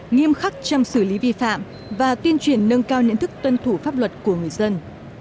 nghiêm khắc trong xử lý vi phạm và tuyên truyền nâng cao nhận thức tuân thủ pháp luật của người dân